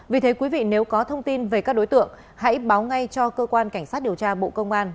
vì thế quý vị nếu có thông tin về các đối tượng hãy báo ngay cho cơ quan cảnh sát điều tra bộ công an